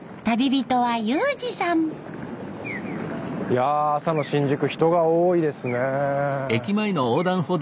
いや朝の新宿人が多いですね。